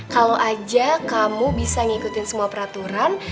kalau aja kamu bisa ngikutin semua peraturan